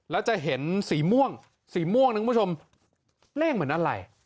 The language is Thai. แล้วจะเห็นสีม่วงสีม่วงนะคุณผู้ชมเลขเหมือนอะไร